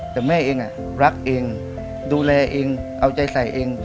แต่แม่เองรักเองดูแลเองเอาใจใส่เอง